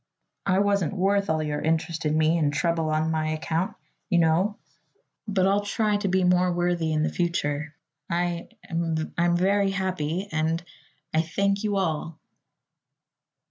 I wasn't worth all your interest in me and trouble on my account, you know; but I'll try to be more worthy in the future. I I'm very happy and I I thank you all!"